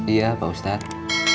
iya pak ustadz